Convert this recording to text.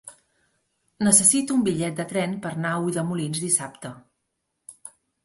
Necessito un bitllet de tren per anar a Ulldemolins dissabte.